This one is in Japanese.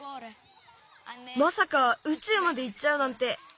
まさかうちゅうまで行っちゃうなんてなんてね！